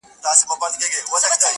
ځكه ځوانان ورانوي ځكه يې زړگي ورانوي’